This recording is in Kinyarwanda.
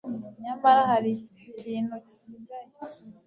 Nyamara hari ikintu gisigaye